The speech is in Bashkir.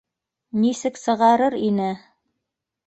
Нисек сығарыр ине...